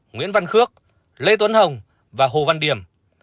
nguyễn văn khước lê tuấn hồng và hồ văn điểm